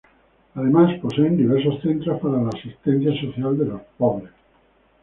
Además poseen diversos centros para la asistencia social de los pobres.